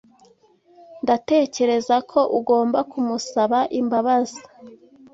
Ndatekereza ko ugomba kumusaba imbabazi.